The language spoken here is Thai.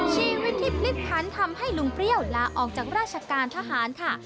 ชีวิตที่พลิกพันทำให้ลุงเปรี้ยวลาออกจากราชการทหารค่ะ